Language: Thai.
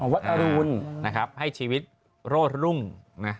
วัดอรุณนะครับให้ชีวิตโรดรุ่งนะ